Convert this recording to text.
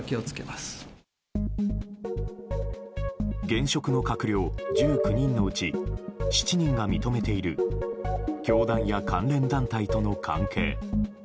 現職の閣僚１９人のうち７人が認めている教団や関連団体との関係。